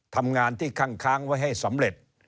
ทำงานที่ข้างไว้ให้สำเร็จ